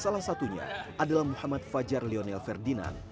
salah satunya adalah muhammad fajar lionel ferdinand